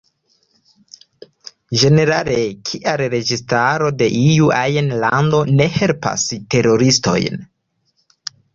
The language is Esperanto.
Ĝenerale, kial registaro de iu ajn lando ne helpas teroristojn?